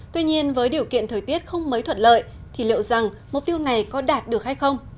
tuy nhiên với điều kiện thời tiết không mấy thuận lợi thì liệu rằng mục tiêu này có đạt được hay không